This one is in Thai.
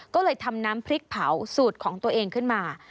ก็เลยทำน้ำพริกเผาสูตรของตัวเองขึ้นมา